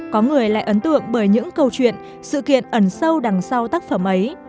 có người lại ấn tượng bởi những câu chuyện sự kiện ẩn sâu đằng sau tác phẩm ấy